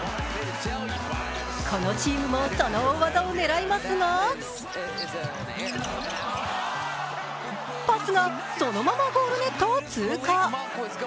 このチームもその大技を狙いますがパスが、そのままゴールネットを通過。